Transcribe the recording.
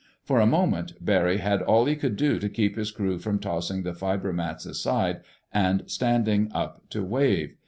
For a moment, Barry had all he could do to keep his crew from tossing the fiber mats aside and standing up to wave.